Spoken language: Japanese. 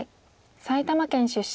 埼玉県出身。